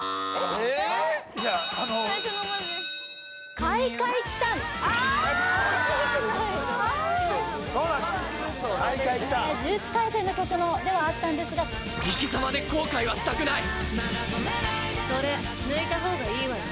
「廻廻奇譚」「呪術廻戦」の曲のではあったんですが生きざまで後悔はしたくないそれ抜いた方がいいわよ